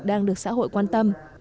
đang được xã hội quan tâm